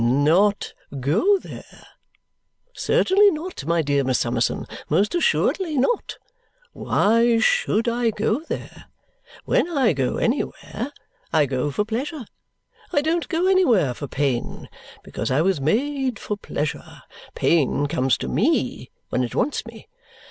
"Not go there? Certainly not, my dear Miss Summerson, most assuredly not. Why SHOULD I go there? When I go anywhere, I go for pleasure. I don't go anywhere for pain, because I was made for pleasure. Pain comes to ME when it wants me.